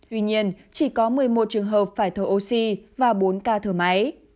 tuy nhiên chỉ có một mươi một trường hợp phải thở oxy và bốn ca thở máy